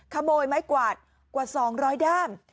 ขโมยไม้กวาดกว่า๒๐๐ด้าม